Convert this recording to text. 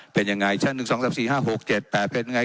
เป็นยังไงชั้นหนึ่งสองสามสี่ห้าหกเจ็ดแปดเป็นยังไง